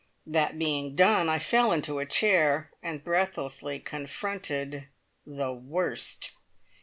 That being done I fell into a chair, and breathlessly confronted the worst!